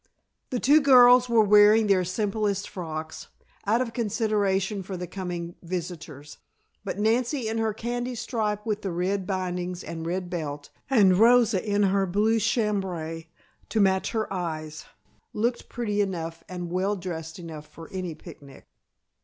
The two girls were wearing their simplest frocks, out of consideration for the coming visitors, but Nancy in her candy stripe with the red bindings and red belt, and Rosa in her blue chambray, to match her eyes, looked pretty enough and well dressed enough for any picnic.